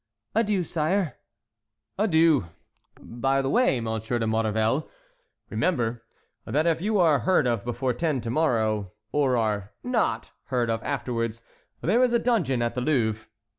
"Adieu, sire." "Adieu! By the way, M. de Maurevel, remember that if you are heard of before ten to morrow, or are not heard of afterward, there is a dungeon at the Louvre."